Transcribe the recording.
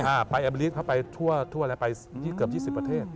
อ่าไปไปทั่วอะไรไปเกือบ๒๐ประเทศ